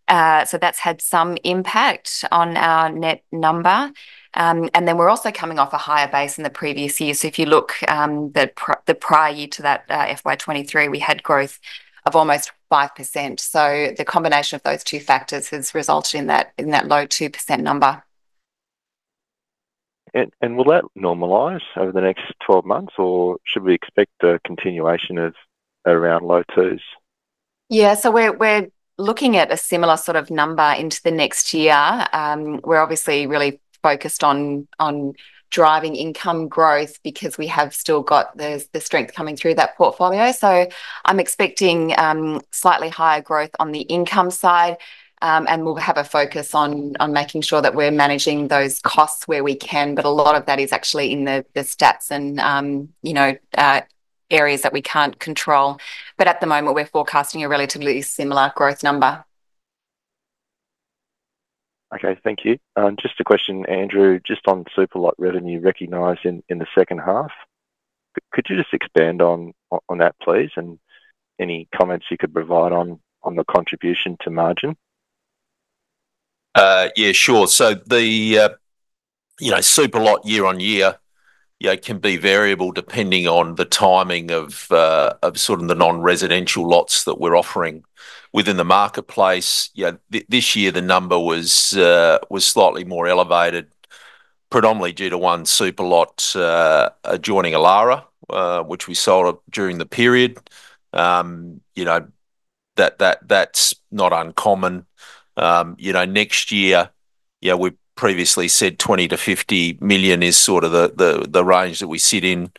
So that's had some impact on our net number. And then we're also coming off a higher base than the previous year. So if you look, the prior year to that, FY 2023, we had growth of almost 5%. So the combination of those two factors has resulted in that low 2% number. Will that normalize over the next twelve months, or should we expect a continuation of around low twos? Yeah, so we're looking at a similar sort of number into the next year. We're obviously really focused on driving income growth because we have still got the strength coming through that portfolio, so I'm expecting slightly higher growth on the income side, and we'll have a focus on making sure that we're managing those costs where we can, but a lot of that is actually in the stats and, you know, areas that we can't control, but at the moment, we're forecasting a relatively similar growth number. Okay, thank you. Just a question, Andrew, just on Superlot revenue recognized in the second half. Could you just expand on that, please, and any comments you could provide on the contribution to margin? Yeah, sure. So the, you know, Superlot year on year, yeah, can be variable depending on the timing of, of sort of the non-residential lots that we're offering within the marketplace. Yeah, this year the number was slightly more elevated, predominantly due to one Superlot adjoining Elara, which we sold during the period. You know, that, that's not uncommon. You know, next year, yeah, we previously said 20-50 million is sort of the range that we sit in.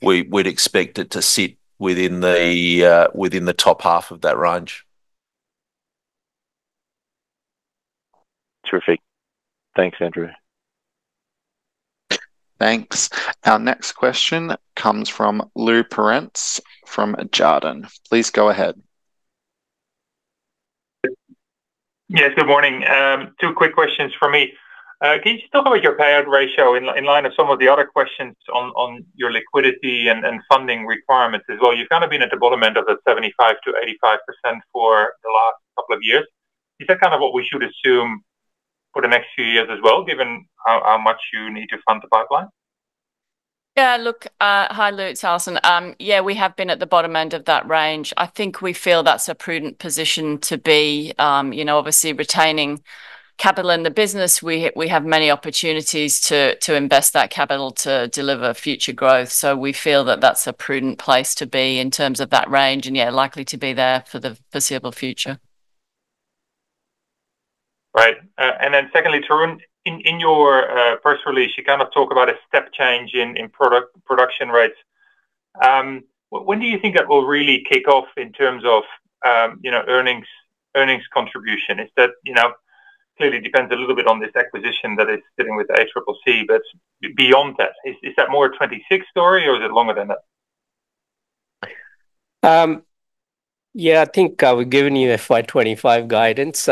We'd expect it to sit within the top half of that range. Terrific. Thanks, Andrew. Thanks. Our next question comes from Lou Pirenc from Jarden. Please go ahead. Yes, good morning. Two quick questions for me. Can you talk about your payout ratio in light of some of the other questions on your liquidity and funding requirements as well? You've kind of been at the bottom end of the 75%-85% for the last couple of years. Is that kind of what we should assume for the next few years as well, given how much you need to fund the pipeline? Yeah, look, hi, Lou. It's Alison. Yeah, we have been at the bottom end of that range. I think we feel that's a prudent position to be, you know, obviously retaining capital in the business. We have many opportunities to invest that capital to deliver future growth. So we feel that that's a prudent place to be in terms of that range, and yeah, likely to be there for the foreseeable future. Right. And then secondly, Tarun, in your press release, you kind of talk about a step change in production rates. When do you think that will really kick off in terms of you know, earnings contribution? Is that, you know, clearly depends a little bit on this acquisition that is sitting with ACCC, but beyond that, is that more a 2026 story, or is it longer than that? Yeah, I think we've given you FY 2025 guidance.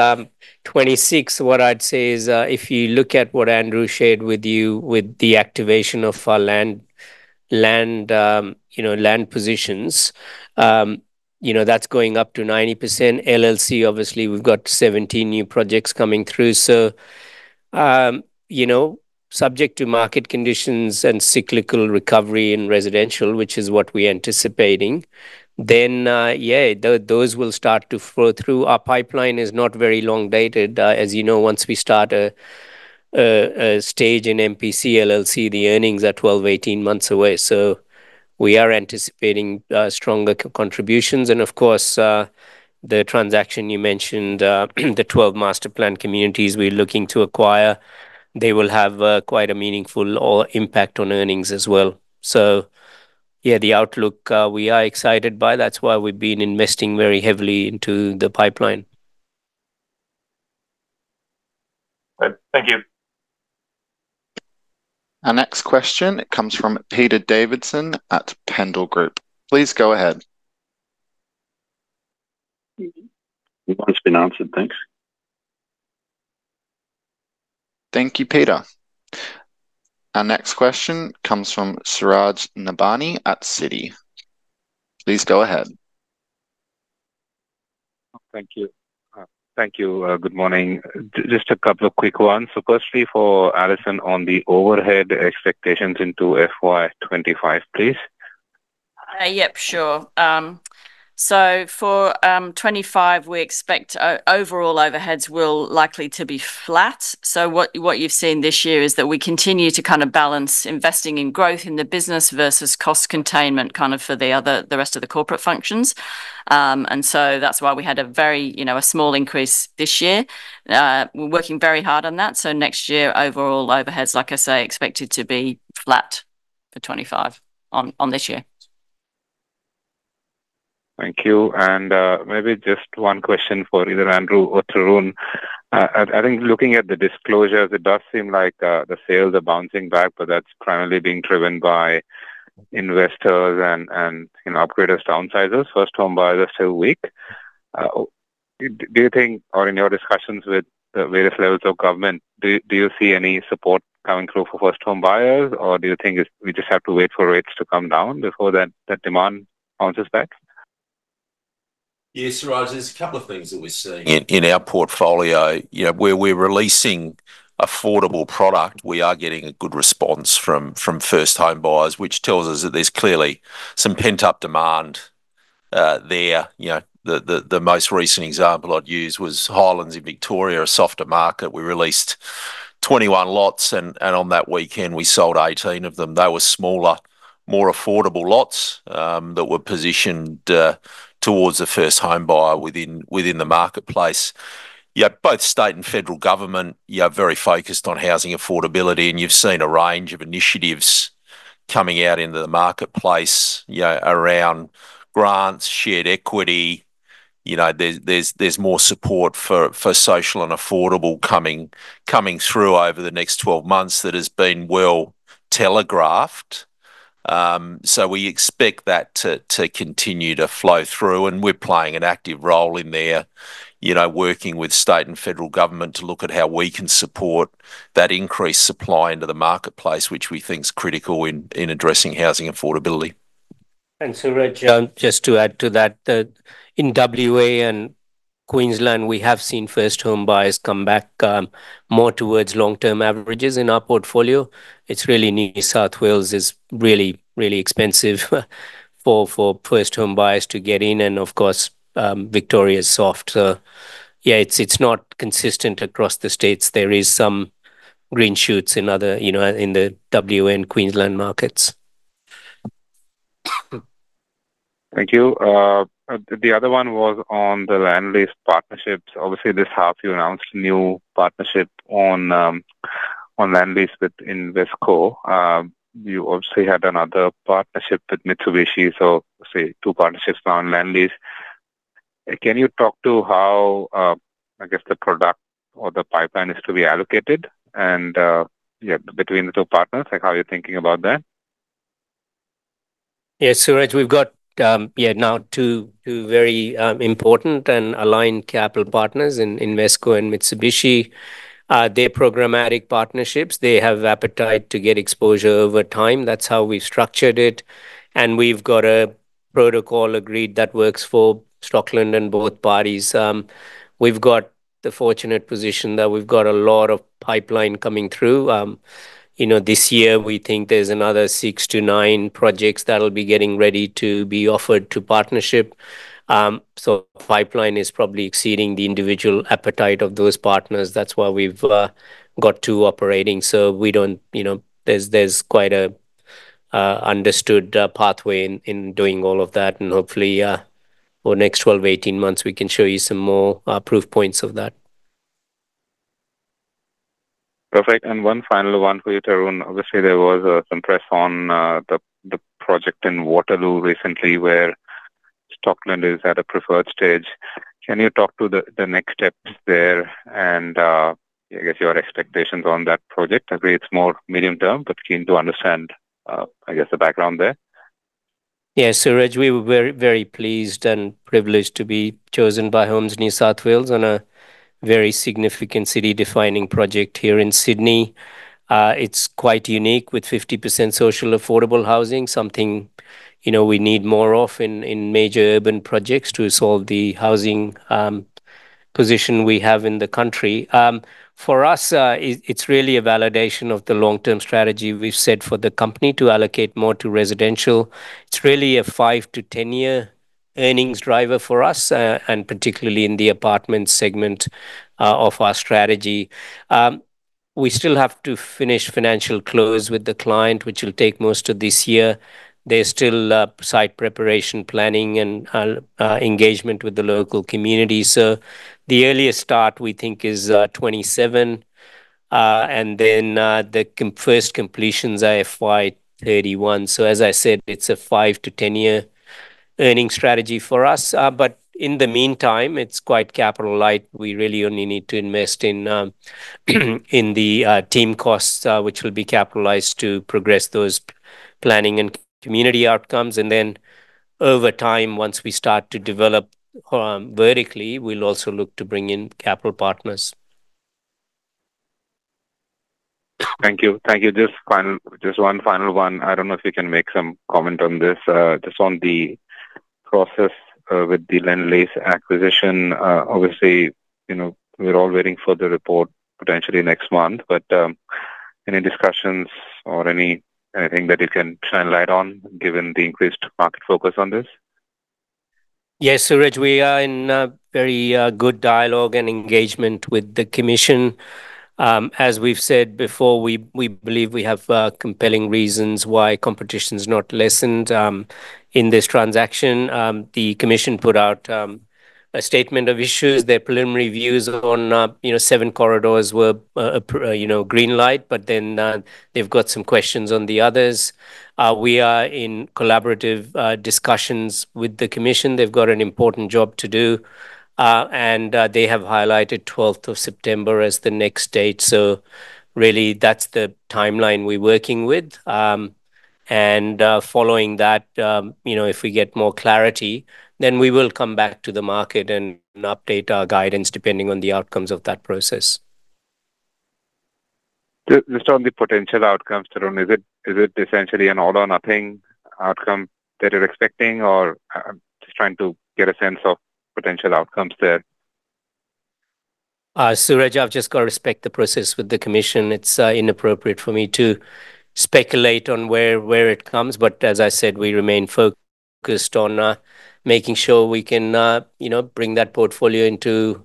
Twenty-six, what I'd say is, if you look at what Andrew shared with you with the activation of our land, land, you know, land positions, you know, that's going up to 90%. LLC, obviously, we've got 17 new projects coming through. So, you know, subject to market conditions and cyclical recovery in residential, which is what we're anticipating, then, yeah, those will start to flow through. Our pipeline is not very long dated. As you know, once we start a stage in MPC, LLC, the earnings are 12 to 18 months away. So we are anticipating stronger contributions. Of course, the transaction you mentioned, the 12 master planned communities we're looking to acquire, they will have quite a meaningful impact on earnings as well. Yeah, the outlook we are excited by, that's why we've been investing very heavily into the pipeline. Right. Thank you. Our next question comes from Peter Davidson at Pendal Group. Please go ahead. My question's been answered. Thanks. Thank you, Peter. Our next question comes from Suraj Nebhani at Citi. Please go ahead. Thank you. Thank you, good morning. Just a couple of quick ones. So firstly, for Alison, on the overhead expectations into FY25, please. Yep, sure. So for twenty-five, we expect overall overheads will likely to be flat. So what you've seen this year is that we continue to kind of balance investing in growth in the business versus cost containment, kind of for the other, the rest of the corporate functions. And so that's why we had a very, you know, a small increase this year. We're working very hard on that. So next year, overall overheads, like I say, expected to be flat for twenty-five on this year. Thank you, and maybe just one question for either Andrew or Tarun. I think looking at the disclosures, it does seem like the sales are bouncing back, but that's primarily being driven by investors and, you know, upgraders, downsizers. First home buyers are still weak. Do you think, or in your discussions with the various levels of government, do you see any support coming through for first home buyers, or do you think it's we just have to wait for rates to come down before that demand bounces back? Yeah, Suraj, there's a couple of things that we're seeing in our portfolio. You know, where we're releasing affordable product, we are getting a good response from first home buyers, which tells us that there's clearly some pent-up demand there. You know, the most recent example I'd use was Highlands in Victoria, a softer market. We released 21 lots, and on that weekend, we sold 18 of them. They were smaller, more affordable lots that were positioned towards the first home buyer within the marketplace. Yet both state and federal government, yeah, are very focused on housing affordability, and you've seen a range of initiatives coming out into the marketplace, you know, around grants, shared equity. You know, there's more support for social and affordable coming through over the next 12 months that has been well telegraphed. So we expect that to continue to flow through, and we're playing an active role in there, you know, working with state and federal government to look at how we can support that increased supply into the marketplace, which we think is critical in addressing housing affordability. And Suraj, just to add to that, in WA and Queensland, we have seen first home buyers come back more towards long-term averages in our portfolio. It's really New South Wales is really expensive for first home buyers to get in, and of course, Victoria is soft. So yeah, it's not consistent across the states. There is some green shoots in other, you know, in the WA and Queensland markets. Thank you. The other one was on the land lease partnerships. Obviously, this half you announced a new partnership on land lease with Invesco. You also had another partnership with Mitsubishi, so say two partnerships now on land lease. Can you talk to how I guess the product or the pipeline is to be allocated and yeah between the two partners, like how you're thinking about that?... Yeah, Suraj, we've got, yeah, now two very important and aligned capital partners in Invesco and Mitsubishi. They're programmatic partnerships. They have appetite to get exposure over time. That's how we've structured it, and we've got a protocol agreed that works for Stockland and both parties. We've got the fortunate position that we've got a lot of pipeline coming through. You know, this year we think there's another six to nine projects that'll be getting ready to be offered to partnership. So pipeline is probably exceeding the individual appetite of those partners. That's why we've got two operating, so we don't, you know, there's quite a understood pathway in doing all of that, and hopefully over the next twelve to eighteen months, we can show you some more proof points of that. Perfect, and one final one for you, Tarun. Obviously, there was some press on the project in Waterloo recently, where Stockland is at a preferred stage. Can you talk to the next steps there and I guess, your expectations on that project? Agree it's more medium term, but keen to understand, I guess, the background there. Yeah, Suraj, we were very, very pleased and privileged to be chosen by Homes New South Wales on a very significant city-defining project here in Sydney. It's quite unique, with 50% social affordable housing, something, you know, we need more of in major urban projects to solve the housing position we have in the country. For us, it, it's really a validation of the long-term strategy we've set for the company to allocate more to residential. It's really a 5- to 10-year earnings driver for us, and particularly in the apartment segment of our strategy. We still have to finish financial close with the client, which will take most of this year. There's still site preparation, planning, and engagement with the local community, so the earliest start, we think, is 2027. And then the first completion's FY31. So as I said, it's a five- to ten-year earnings strategy for us. But in the meantime, it's quite capital light. We really only need to invest in the team costs, which will be capitalized to progress those planning and community outcomes. And then over time, once we start to develop vertically, we'll also look to bring in capital partners. Thank you. Thank you. Just one final one. I don't know if you can make some comment on this. Just on the process with the Lendlease acquisition. Obviously, you know, we're all waiting for the report potentially next month, but any discussions or anything that you can shine a light on, given the increased market focus on this? Yes, Suraj, we are in a very good dialogue and engagement with the commission. As we've said before, we believe we have compelling reasons why competition's not lessened in this transaction. The commission put out a statement of issues. Their preliminary views on you know seven corridors were you know green light, but then they've got some questions on the others. We are in collaborative discussions with the commission. They've got an important job to do and they have highlighted twelfth of September as the next date. So really, that's the timeline we're working with. Following that you know if we get more clarity, then we will come back to the market and update our guidance, depending on the outcomes of that process. Just on the potential outcomes, Tarun, is it essentially an all or nothing outcome that you're expecting? Or I'm just trying to get a sense of potential outcomes there. Suraj, I've just got to respect the process with the commission. It's inappropriate for me to speculate on where it comes, but as I said, we remain focused on making sure we can, you know, bring that portfolio into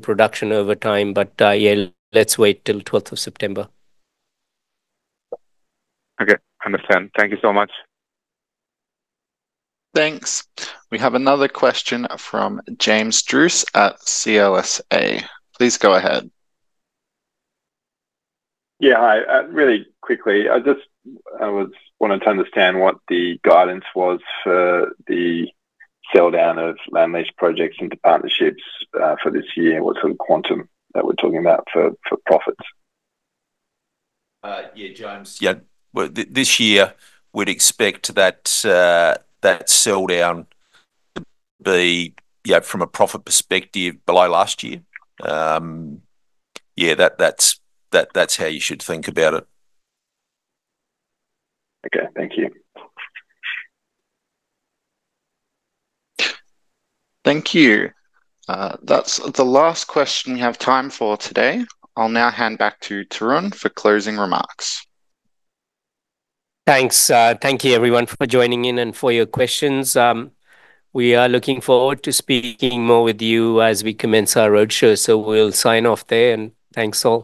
production over time. But yeah, let's wait till twelfth of September. Okay. Understand. Thank you so much. Thanks. We have another question from James Druce at CLSA. Please go ahead. Yeah, hi. Really quickly, I just wanted to understand what the guidance was for the sell down of land lease projects into partnerships for this year. What sort of quantum that we're talking about for profits? Yeah, James. Yeah. Well, this year, we'd expect that sell down to be, yeah, from a profit perspective, below last year. Yeah, that's how you should think about it. Okay. Thank you. Thank you. That's the last question we have time for today. I'll now hand back to Tarun for closing remarks. Thanks. Thank you everyone for joining in and for your questions. We are looking forward to speaking more with you as we commence our roadshow, so we'll sign off there, and thanks all.